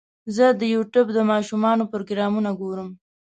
زه د یوټیوب د ماشومانو پروګرامونه ګورم.